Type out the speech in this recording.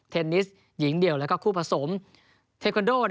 เทนนิสหญิงเดี่ยวแล้วก็คู่ผสมเทคอนโด